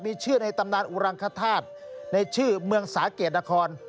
มีชื่อในตำนานอุรังคธาตุในชื่อเมืองสาเกตนคร